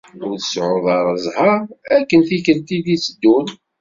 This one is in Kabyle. Ur tseεεuḍ ara ẓẓher akken tikelt i d-iteddun.